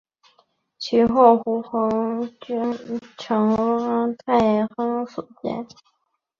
其后湖州郡丞汪泰亨所建。